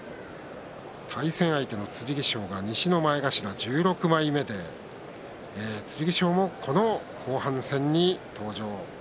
対戦相手の剣翔は西の前頭１６枚目で剣翔もこの後半戦に登場。